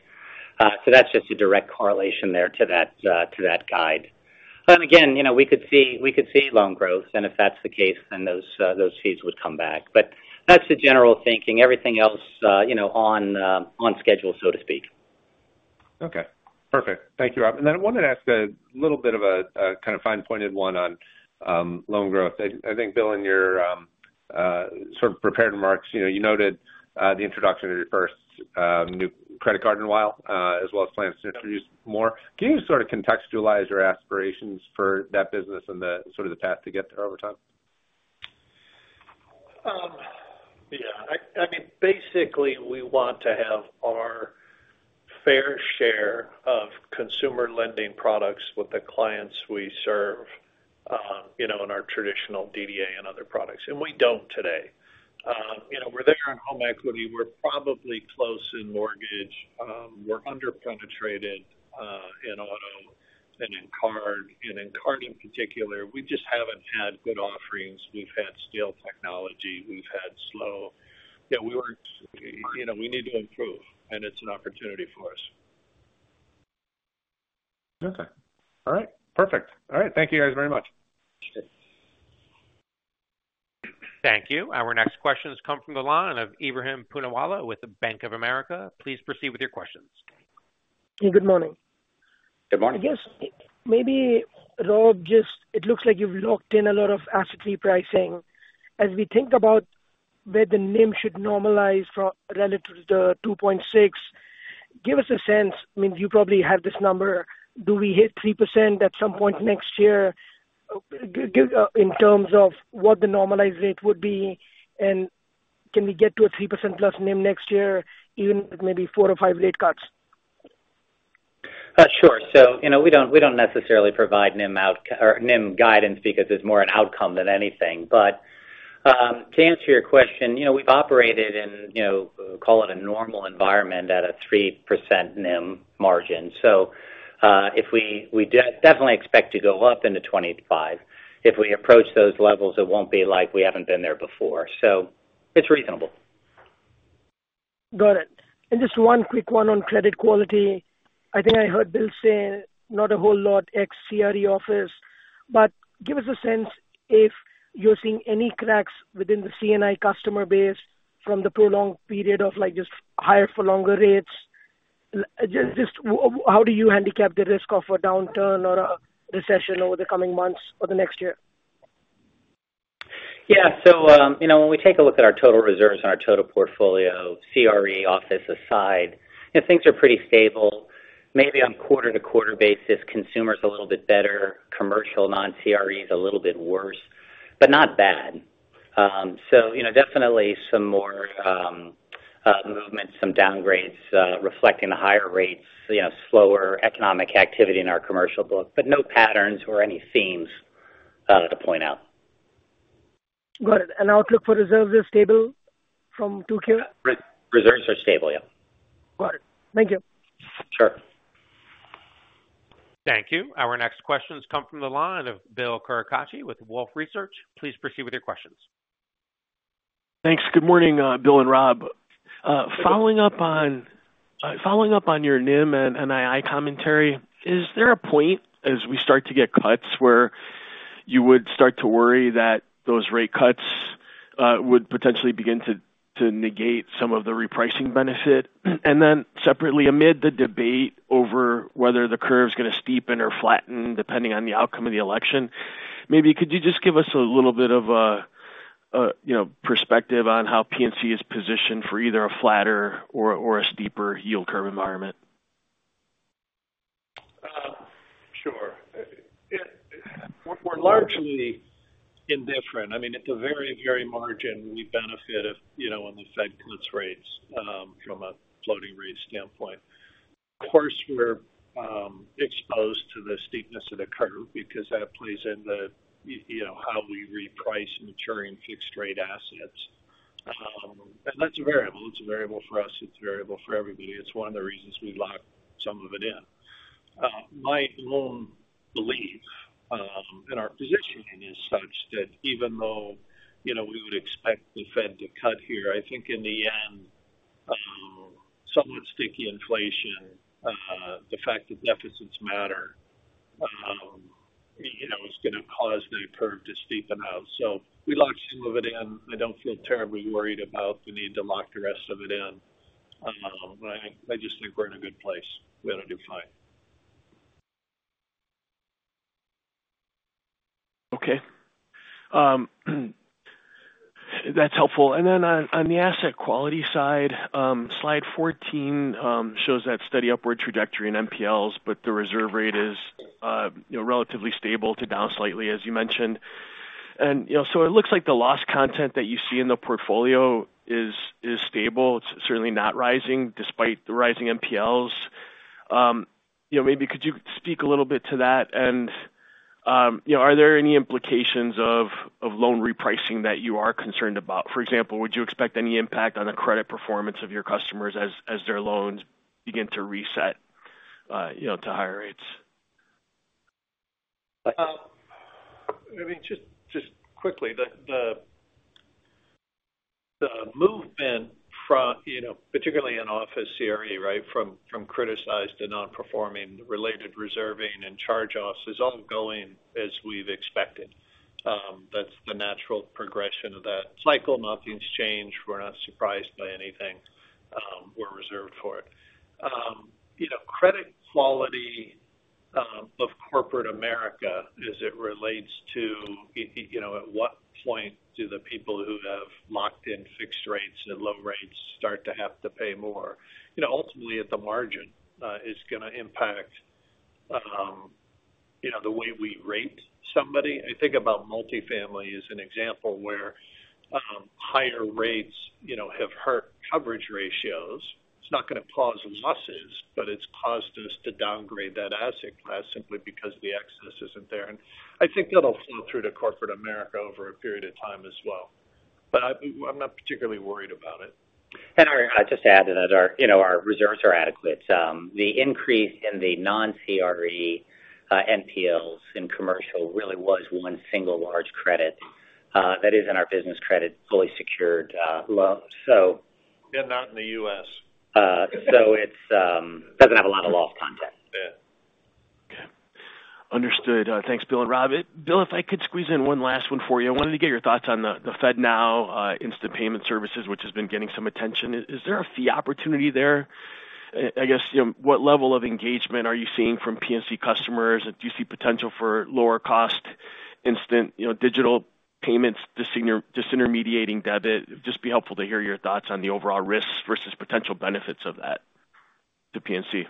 So that's just a direct correlation there to that guide. Then again, you know, we could see, we could see loan growth, and if that's the case, then those, those fees would come back. But that's the general thinking. Everything else, you know, on, on schedule, so to speak. Okay, perfect. Thank you, Rob. Then I wanted to ask a little bit of a kind of fine-pointed one on loan growth. I think, Bill, in your sort of prepared remarks, you know, you noted the introduction of your first new credit card in a while as well as plans to introduce more. Can you sort of contextualize your aspirations for that business and the sort of the path to get there over time? Yeah. I mean, basically, we want to have our fair share of consumer lending products with the clients we serve, you know, in our traditional DDA and other products, and we don't today. You know, we're there on home equity. We're probably close in mortgage. We're under-penetrated in auto and in card. And in card, in particular, we just haven't had good offerings. We've had stale technology. We've had slow... Yeah, we weren't, you know, we need to improve, and it's an opportunity for us. Okay. All right. Perfect. All right. Thank you, guys, very much. Okay. Thank you. Our next question has come from the line of Ebrahim Poonawala with the Bank of America. Please proceed with your questions. Good morning. Good morning. I guess, maybe, Rob, just it looks like you've locked in a lot of asset repricing. As we think about where the NIM should normalize from relative to the 2.6, give us a sense, I mean, you probably have this number, do we hit 3% at some point next year? Give in terms of what the normalized rate would be, and can we get to a 3%+ NIM next year, even with maybe 4 or 5 rate cuts? Sure. So, you know, we don't, we don't necessarily provide NIM outlook or NIM guidance because it's more an outcome than anything. But, to answer your question, you know, we've operated in, you know, call it a normal environment at a 3% NIM margin. So, if we definitely expect to go up into 25. If we approach those levels, it won't be like we haven't been there before, so it's reasonable. Got it. Just one quick one on credit quality. I think I heard Bill say not a whole lot ex-CRE office, but give us a sense if you're seeing any cracks within the C&I customer base from the prolonged period of, like, just higher for longer rates. Just, how do you handicap the risk of a downturn or a recession over the coming months or the next year? Yeah. So, you know, when we take a look at our total reserves and our total portfolio, CRE office aside, you know, things are pretty stable. Maybe on a quarter-to-quarter basis, consumer is a little bit better, commercial non-CRE is a little bit worse, but not bad. So, you know, definitely some more movements, some downgrades reflecting the higher rates, you know, slower economic activity in our commercial book, but no patterns or any themes to point out. Got it. Outlook for reserves are stable from 2Q? Reserves are stable, yeah. Got it. Thank you. Sure. Thank you. Our next question has come from the line of Bill Carcache with Wolfe Research. Please proceed with your questions. Thanks. Good morning, Bill and Rob. Following up on, following up on your NIM and NII commentary, is there a point as we start to get cuts where you would start to worry that those rate cuts would potentially begin to, to negate some of the repricing benefit? And then separately, amid the debate over whether the curve's going to steepen or flatten, depending on the outcome of the election, maybe could you just give us a little bit of a, you know, perspective on how PNC is positioned for either a flatter or, or a steeper yield curve environment? Sure. We're largely indifferent. I mean, at the very, very margin, we benefit if, you know, when the Fed cuts rates, from a floating rate standpoint. Of course, we're exposed to the steepness of the curve because that plays into, you know, how we reprice maturing fixed-rate assets. And that's a variable. It's a variable for us. It's a variable for everybody. It's one of the reasons we lock some of it in. My own belief, and our positioning is such that even though, you know, we would expect the Fed to cut here, I think in the end, somewhat sticky inflation, the fact that deficits matter, you know, is going to cause the curve to steepen out. So we locked some of it in. I don't feel terribly worried about the need to lock the rest of it in. I just think we're in a good place. We're going to do fine. Okay. That's helpful. And then on the asset quality side, slide 14 shows that steady upward trajectory in NPLs, but the reserve rate is, you know, relatively stable to down slightly, as you mentioned. And, you know, so it looks like the loss content that you see in the portfolio is, is stable. It's certainly not rising, despite the rising NPLs. You know, maybe could you speak a little bit to that and... You know, are there any implications of loan repricing that you are concerned about? For example, would you expect any impact on the credit performance of your customers as their loans begin to reset, you know, to higher rates? I mean, just quickly, the movement from, you know, particularly in office CRE, right? From criticized to non-performing related reserving and charge-offs is ongoing as we've expected. That's the natural progression of that cycle. Nothing's changed. We're not surprised by anything. We're reserved for it. You know, credit quality of corporate America as it relates to, you know, at what point do the people who have locked in fixed rates and low rates start to have to pay more? You know, ultimately, at the margin, is gonna impact, you know, the way we rate somebody. I think about multifamily as an example, where higher rates, you know, have hurt coverage ratios. It's not gonna cause losses, but it's caused us to downgrade that asset class simply because the excess isn't there. I think that'll flow through to corporate America over a period of time as well. But I, I'm not particularly worried about it. And I just add that our, you know, our reserves are adequate. The increase in the non-CRE NPLs in commercial really was one single large credit that is in our business credit, fully secured loan. So- Not in the U.S. So it doesn't have a lot of loss context. Yeah. Okay. Understood. Thanks, Bill and Rob. Bill, if I could squeeze in one last one for you. I wanted to get your thoughts on the the FedNow instant payment services, which has been getting some attention. Is there a fee opportunity there? I guess, you know, what level of engagement are you seeing from PNC customers? Do you see potential for lower cost, instant, you know, digital payments, disintermediating debit? It'd just be helpful to hear your thoughts on the overall risks versus potential benefits of that to PNC.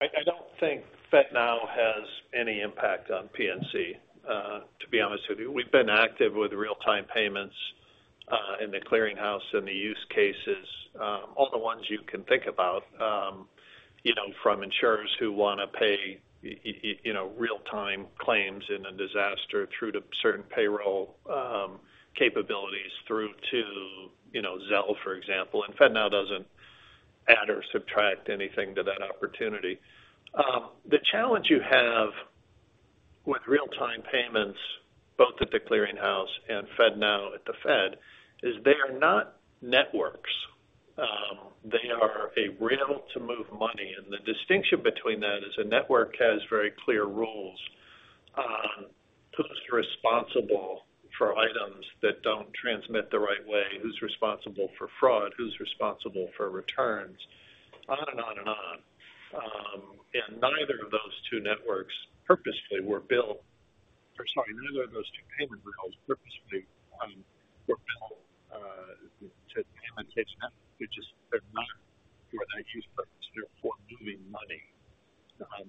I don't think FedNow has any impact on PNC, to be honest with you. We've been active with real-time payments in the Clearing House and the use cases. All the ones you can think about, you know, from insurers who want to pay, you know, real-time claims in a disaster, through to certain payroll capabilities, through to, you know, Zelle, for example. And FedNow doesn't add or subtract anything to that opportunity. The challenge you have with real-time payments, both at the Clearing House and FedNow at the Fed, is they are not networks. They are a rail to move money, and the distinction between that is a network has very clear rules on who's responsible for items that don't transmit the right way, who's responsible for fraud, who's responsible for returns, on and on and on. Neither of those two payment rails purposefully were built to payment networks, which is they're not for an IT purpose. They're for moving money,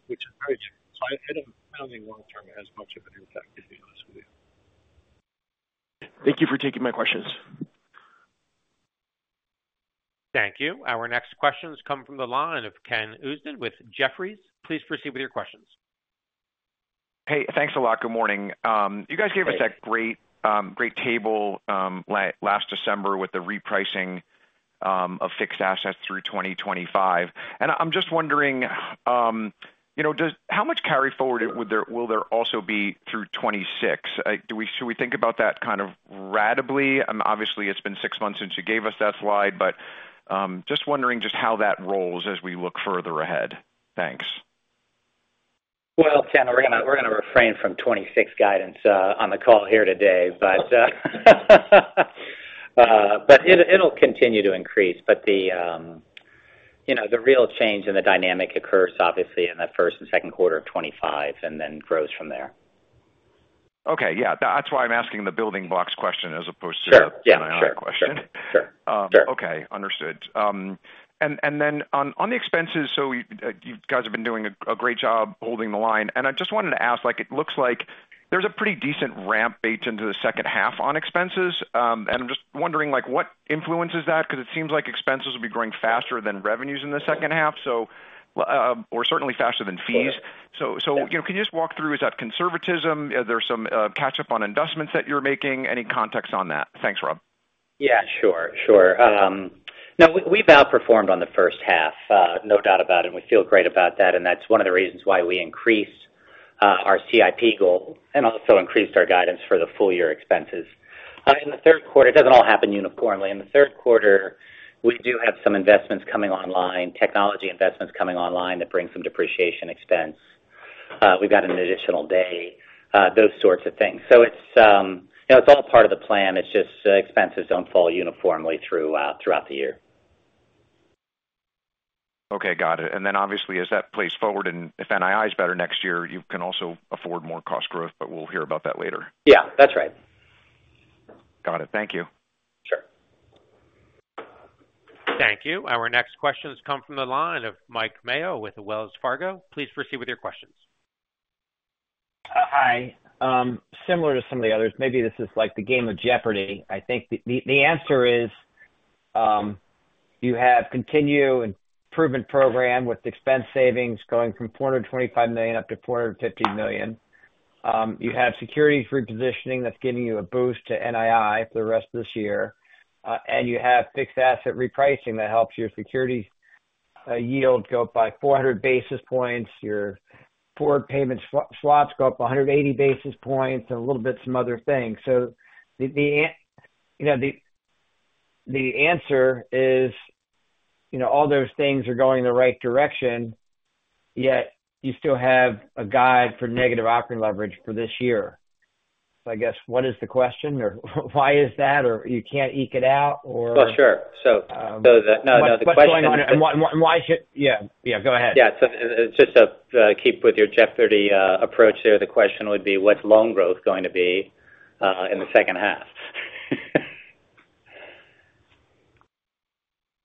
which is very different. So I don't find long term has much of an impact, to be honest with you. Thank you for taking my questions. Thank you. Our next questions come from the line of Ken Usdin with Jefferies. Please proceed with your questions. Hey, thanks a lot. Good morning. You guys gave us that great, great table last December with the repricing of fixed assets through 2025. I'm just wondering, you know, how much carry forward would there, will there also be through 2026? Should we think about that kind of ratably? Obviously, it's been six months since you gave us that slide, but, just wondering just how that rolls as we look further ahead. Thanks. Well, Ken, we're gonna refrain from 2026 guidance on the call here today, but it'll continue to increase. But you know, the real change in the dynamic occurs, obviously, in the first and second quarter of 2025, and then grows from there. Okay. Yeah, that's why I'm asking the building blocks question as opposed to- Sure. Yeah. -the question. Sure. Sure. Okay. Understood. And then on the expenses, so you guys have been doing a great job holding the line, and I just wanted to ask, like, it looks like there's a pretty decent ramp baked into the second half on expenses. And I'm just wondering, like, what influences that? Because it seems like expenses will be growing faster than revenues in the second half, so, or certainly faster than fees. So, you know, can you just walk through, is that conservatism? Is there some catch up on investments that you're making? Any context on that? Thanks, Rob. Yeah, sure, sure. Now we, we've outperformed on the first half, no doubt about it, and we feel great about that, and that's one of the reasons why we increased our CIP goal and also increased our guidance for the full year expenses. In the third quarter, it doesn't all happen uniformly. In the third quarter, we do have some investments coming online, technology investments coming online that bring some depreciation expense. We've got an additional day, those sorts of things. So it's, you know, it's all part of the plan. It's just, expenses don't fall uniformly through, throughout the year. Okay, got it. And then obviously, as that plays forward, and if NII is better next year, you can also afford more cost growth, but we'll hear about that later. Yeah, that's right. Got it. Thank you. Sure. Thank you. Our next questions come from the line of Mike Mayo with Wells Fargo. Please proceed with your questions.... Hi. Similar to some of the others, maybe this is like the game of Jeopardy! I think the answer is, you have continuous improvement program with expense savings going from $425 million up to $450 million. You have securities repositioning that's giving you a boost to NII for the rest of this year. And you have fixed asset repricing that helps your securities yield go up by 400 basis points. Your forward payment swaps go up 180 basis points and a little bit some other things. So the answer is, you know, all those things are going in the right direction, yet you still have a guide for negative operating leverage for this year. So I guess what is the question? Or why is that? Or you can't eke it out, or- Well, sure. So the—no, no, the question- What's going on and why, and why should... Yeah. Yeah, go ahead. Yeah. So just to keep with your Jeopardy! approach here, the question would be: What's loan growth going to be in the second half? So we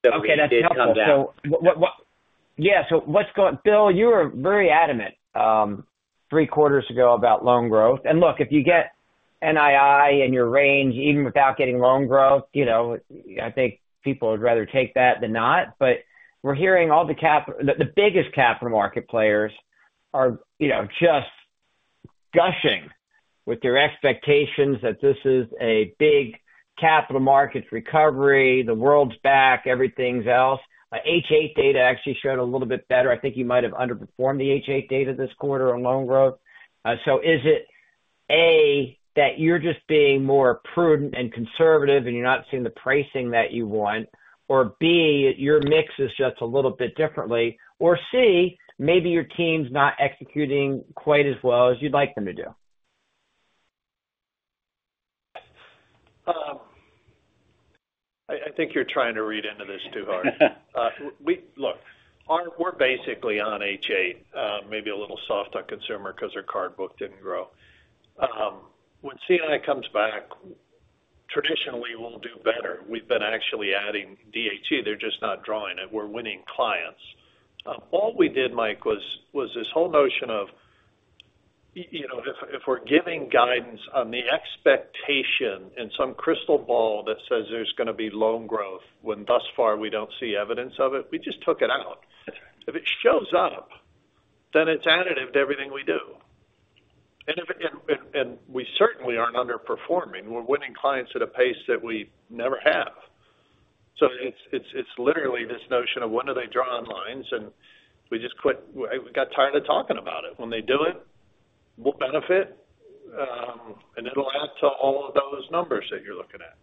did come down. Okay, that's helpful. So what's going on, Bill? You were very adamant three quarters ago about loan growth. And look, if you get NII in your range, even without getting loan growth, you know, I think people would rather take that than not. But we're hearing the biggest capital market players are, you know, just gushing with their expectations that this is a big capital markets recovery, the world's back, everything else. H.8 data actually showed a little bit better. I think you might have underperformed the H.8 data this quarter on loan growth. So is it, A, that you're just being more prudent and conservative, and you're not seeing the pricing that you want? Or B, your mix is just a little bit differently, or C, maybe your team's not executing quite as well as you'd like them to do? I think you're trying to read into this too hard. Look, we're basically on page 8, maybe a little soft on consumer because our card book didn't grow. When C&I comes back, traditionally, we'll do better. We've been actually adding C&I. They're just not drawing it. We're winning clients. All we did, Mike, was this whole notion of, you know, if we're giving guidance on the expectation in some crystal ball that says there's going to be loan growth, when thus far, we don't see evidence of it, we just took it out. If it shows up, then it's additive to everything we do. And we certainly aren't underperforming. We're winning clients at a pace that we never have. So it's literally this notion of when do they draw on lines? And we just got tired of talking about it. When they do it, we'll benefit, and it'll add to all of those numbers that you're looking at.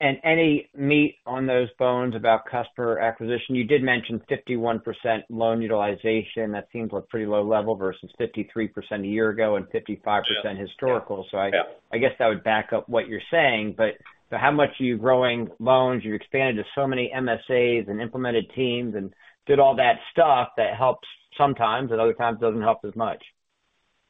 Any meat on those bones about customer acquisition? You did mention 51% loan utilization. That seems like pretty low level versus 53% a year ago and 55%- Yeah... historical. Yeah. So I guess that would back up what you're saying, but so how much are you growing loans? You expanded to so many MSAs and implemented teams and did all that stuff that helps sometimes, but other times doesn't help as much.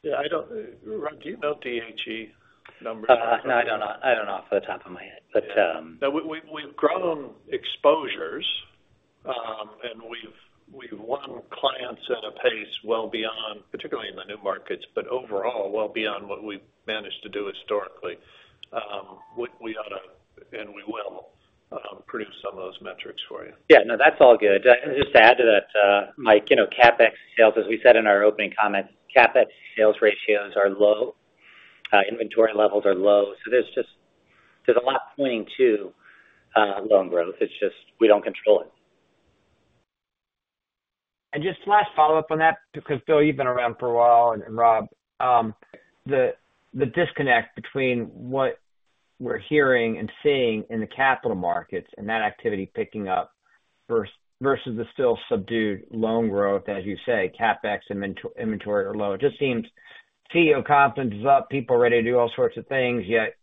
Yeah, I don't, Rob, do you know C&I numbers? No, I don't know. I don't know off the top of my head, but, Yeah. No, we've grown exposures, and we've won clients at a pace well beyond, particularly in the new markets, but overall, well beyond what we've managed to do historically. We ought to, and we will, produce some of those metrics for you. Yeah, no, that's all good. Just to add to that, Mike, you know, CapEx sales, as we said in our opening comments, CapEx sales ratios are low, inventory levels are low, so there's just a lot pointing to loan growth. It's just, we don't control it. Just last follow-up on that, because, Bill, you've been around for a while, and Rob, the disconnect between what we're hearing and seeing in the capital markets and that activity picking up versus the still subdued loan growth, as you say, CapEx and inventory are low. It just seems CEO confidence is up, people are ready to do all sorts of things, yet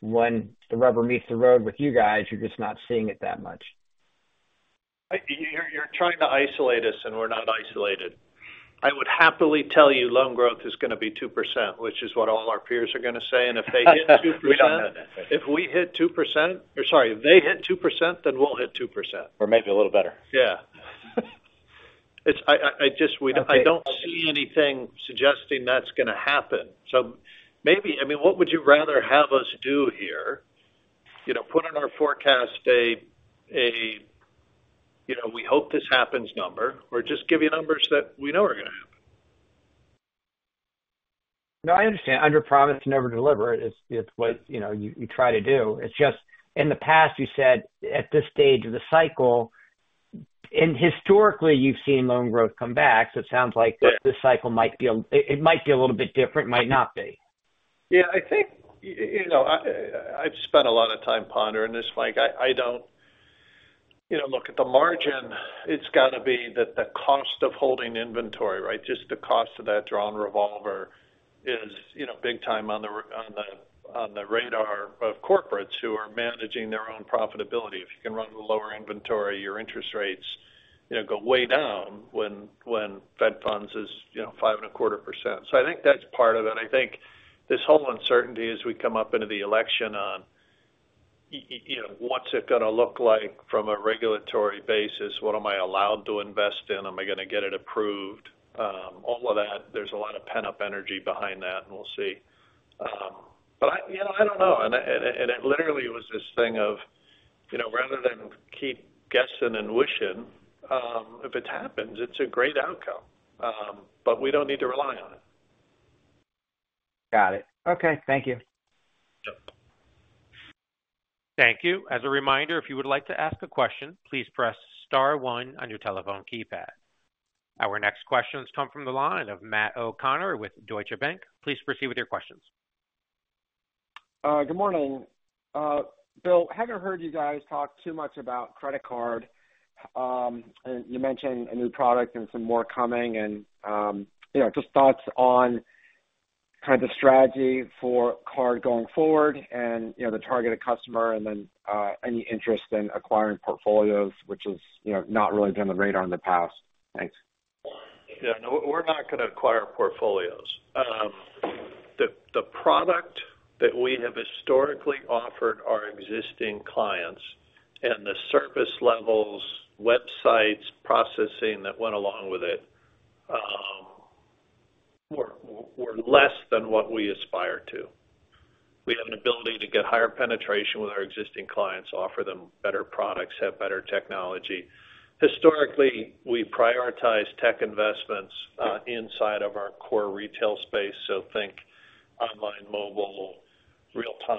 when the rubber meets the road with you guys, you're just not seeing it that much. You're, you're trying to isolate us, and we're not isolated. I would happily tell you loan growth is going to be 2%, which is what all our peers are going to say. And if they hit 2%- We don't have that. If we hit 2%... Or sorry, if they hit 2%, then we'll hit 2%. Or maybe a little better. Yeah. It's just we- I-... I don't see anything suggesting that's going to happen. So maybe, I mean, what would you rather have us do here? You know, put in our forecast you know, we hope this happens number, or just give you numbers that we know are going to happen. No, I understand. Underpromise and overdeliver is what, you know, you try to do. It's just in the past, you said at this stage of the cycle, and historically, you've seen loan growth come back, so it sounds like- Yeah... this cycle might be a little bit different, might not be. Yeah, I think, you know, I've spent a lot of time pondering this, Mike. I don't... You know, look, at the margin, it's got to be that the cost of holding inventory, right? Just the cost of that drawn revolver is, you know, big time on the radar of corporates who are managing their own profitability. If you can run lower inventory, your interest rates, you know, go way down when Fed funds is, you know, 5.25%. So I think that's part of it. I think this whole uncertainty as we come up into the election you know, what's it gonna look like from a regulatory basis? What am I allowed to invest in? Am I gonna get it approved? All of that, there's a lot of pent-up energy behind that, and we'll see. But, you know, I don't know, and it literally was this thing of, you know, rather than keep guessing and wishing, if it happens, it's a great outcome, but we don't need to rely on it. Got it. Okay. Thank you. Yep. Thank you. As a reminder, if you would like to ask a question, please press star one on your telephone keypad. Our next question has come from the line of Matt O'Connor with Deutsche Bank. Please proceed with your questions. Good morning. Bill, haven't heard you guys talk too much about credit card. And you mentioned a new product and some more coming and, you know, just thoughts on kind of the strategy for card going forward and, you know, the targeted customer, and then, any interest in acquiring portfolios, which is, you know, not really been on the radar in the past. Thanks. Yeah. No, we're not gonna acquire portfolios. The product that we have historically offered our existing clients and the service levels, websites, processing that went along with it were less than what we aspire to. We have an ability to get higher penetration with our existing clients, offer them better products, have better technology. Historically, we prioritize tech investments inside of our core retail space, so think online, mobile, real time.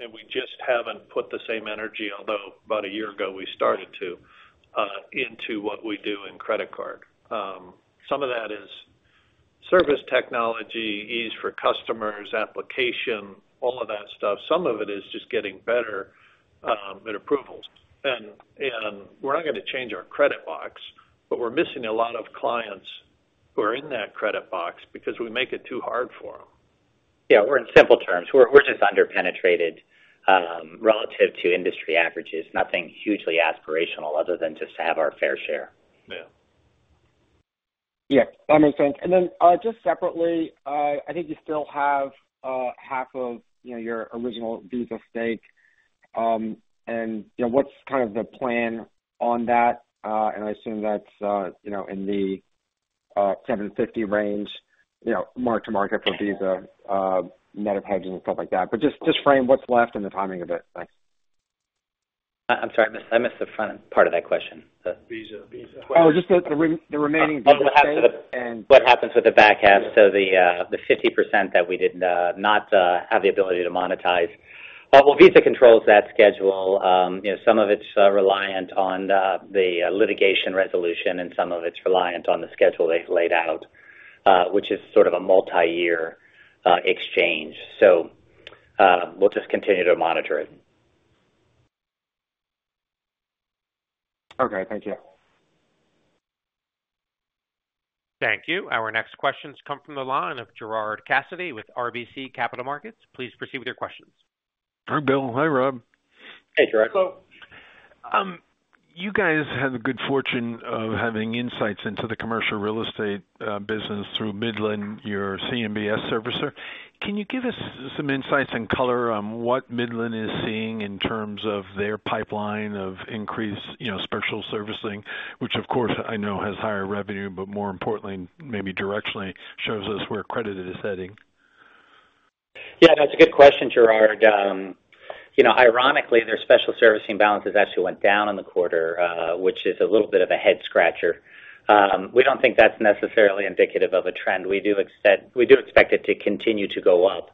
And we just haven't put the same energy, although about a year ago, we started to into what we do in credit card. Some of that is service technology, ease for customers, application, all of that stuff. Some of it is just getting better at approvals. And we're not gonna change our credit box, but we're missing a lot of clients who are in that credit box because we make it too hard for them. Yeah, or in simple terms, we're just under-penetrated relative to industry averages. Nothing hugely aspirational other than just to have our fair share. Yeah. Yeah, that makes sense. Then, just separately, I think you still have half of, you know, your original Visa stake. You know, what's kind of the plan on that? I assume that's you know, in the $750 range, you know, mark to market for Visa, net of hedges and stuff like that. Just, just frame what's left and the timing of it. Thanks. I'm sorry, I missed the front part of that question. Visa, Visa. Oh, just the remaining Visa stake and- What happens with the back half, so the 50% that we did not have the ability to monetize. Well, Visa controls that schedule. You know, some of it's reliant on the litigation resolution, and some of it's reliant on the schedule they've laid out, which is sort of a multiyear exchange. So, we'll just continue to monitor it. Okay. Thank you. Thank you. Our next question comes from the line of Gerard Cassidy with RBC Capital Markets. Please proceed with your questions. Hi, Bill. Hi, Rob. Hey, Gerard. Hello. You guys had the good fortune of having insights into the commercial real estate business through Midland, your CMBS servicer. Can you give us some insights and color on what Midland is seeing in terms of their pipeline of increased, you know, special servicing, which, of course, I know has higher revenue, but more importantly, maybe directionally, shows us where credit is heading? Yeah, that's a good question, Gerard. You know, ironically, their special servicing balances actually went down in the quarter, which is a little bit of a head scratcher. We don't think that's necessarily indicative of a trend. We do expect it to continue to go up.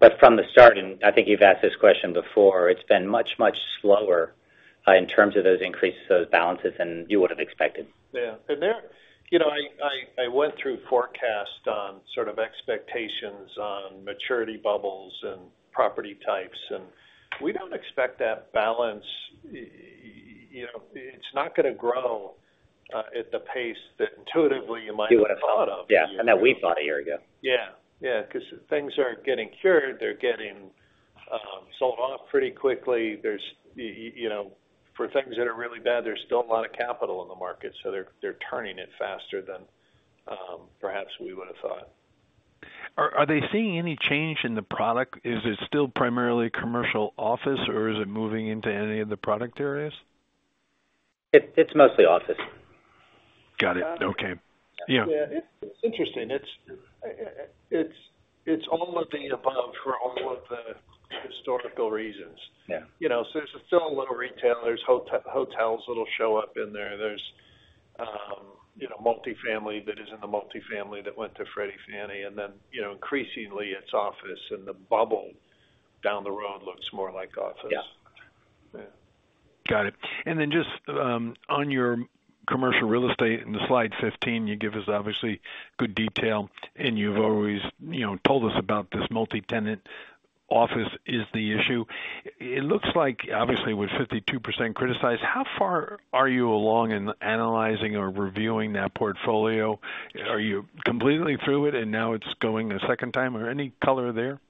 But from the start, and I think you've asked this question before, it's been much, much slower, in terms of those increases to those balances than you would have expected. Yeah. And there, you know, I went through forecasts on sort of expectations on maturity bubbles and property types, and we don't expect that balance... you know, it's not gonna grow at the pace that intuitively you might have thought of. Yeah, and that we thought a year ago. Yeah. Yeah, because things are getting cured, they're getting sold off pretty quickly. There's, you know, for things that are really bad, there's still a lot of capital in the market, so they're turning it faster than, perhaps we would have thought. Are they seeing any change in the product? Is it still primarily commercial office, or is it moving into any of the product areas? It's mostly office. Got it. Okay. Yeah. Yeah, it's interesting. It's all of the above for all of the historical reasons. Yeah. You know, so there's still a little retail. There's hotels that'll show up in there. There's, you know, multifamily that is in the multifamily that went to Freddie and Fannie, and then, you know, increasingly it's office, and the bubble down the road looks more like office. Yeah. Yeah. Got it. And then just on your commercial real estate, in the slide 15, you give us obviously good detail, and you've always, you know, told us about this multi-tenant office is the issue. It looks like, obviously, with 52% criticized, how far are you along in analyzing or reviewing that portfolio? Are you completely through it, and now it's going a second time, or any color there?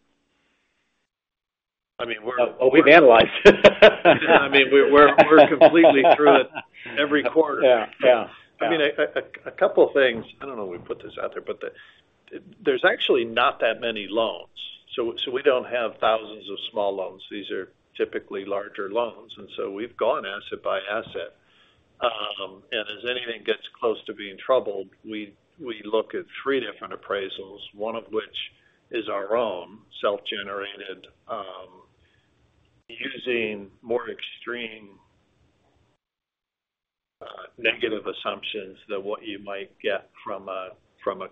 I mean, we're- Oh, we've analyzed it. I mean, we're completely through it every quarter. Yeah. Yeah. I mean, a couple things. I don't know if we put this out there, but there's actually not that many loans, so we don't have thousands of small loans. These are typically larger loans, and so we've gone asset by asset. And as anything gets close to being troubled, we look at three different appraisals, one of which is our own self-generated, using more extreme negative assumptions than what you might get from a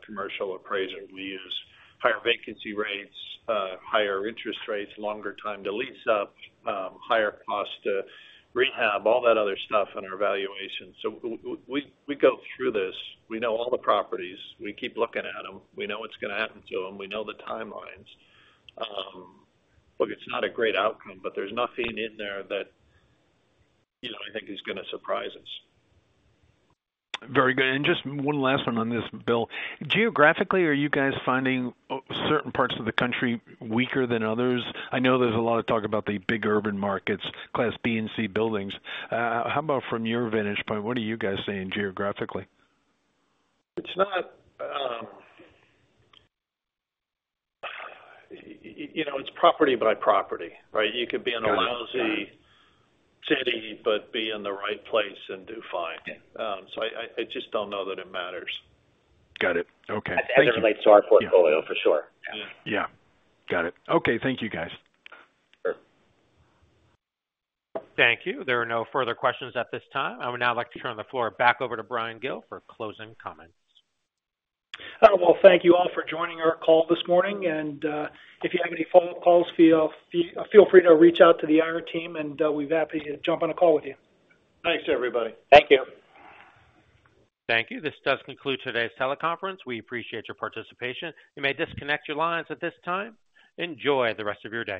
commercial appraiser. We use higher vacancy rates, higher interest rates, longer time to lease up, higher cost to rehab, all that other stuff in our evaluation. So we go through this. We know all the properties. We keep looking at them. We know what's gonna happen to them. We know the timelines. Look, it's not a great outcome, but there's nothing in there that, you know, I think is gonna surprise us. Very good. And just one last one on this, Bill. Geographically, are you guys finding certain parts of the country weaker than others? I know there's a lot of talk about the big urban markets, Class B and C buildings. How about from your vantage point, what are you guys seeing geographically? It's not... You know, it's property by property, right? Got it. You could be in a lousy city but be in the right place and do fine. Yeah. So I just don't know that it matters. Got it. Okay. It relates to our portfolio, for sure. Yeah. Yeah. Got it. Okay. Thank you, guys. Sure. Thank you. There are no further questions at this time. I would now like to turn the floor back over to Brian Gill for closing comments. Well, thank you all for joining our call this morning, and if you have any follow-up calls, feel free to reach out to the IR team, and we'd be happy to jump on a call with you. Thanks, everybody. Thank you. Thank you. This does conclude today's teleconference. We appreciate your participation. You may disconnect your lines at this time. Enjoy the rest of your day.